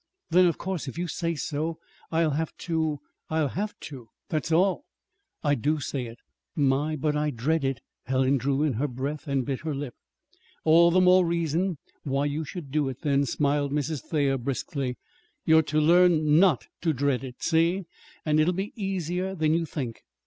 "Then, of course, if you say I'll have to I'll have to. That's all." "I do say it." "My, but I dread it!" Helen drew in her breath and bit her lip. "All the more reason why you should do it then," smiled Mrs. Thayer briskly. "You're to learn not to dread it. See? And it'll be easier than you think.